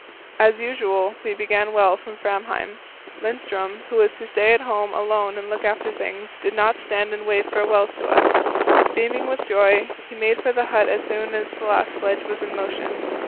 As usual, we began well from Framheim. Lindström, who was to stay at home alone and look after things, did not stand and wave farewells to us. Beaming with joy, he made for the hut as soon as the last sledge was in motion.